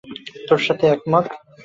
তোর সাথে একমত।